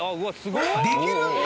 できるんだ！